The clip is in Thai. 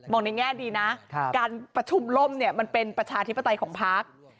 มองในแง่ดีนะการประชุมร่มมันเป็นประชาธิปัตย์ของพัก